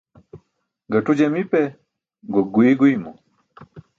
Gaṭu jamipe, gok guiy guymo.